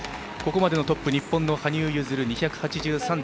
ここまでのトップは日本の羽生結弦で２８３．２１。